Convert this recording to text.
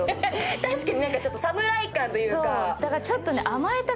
確かにちょっと侍感というか。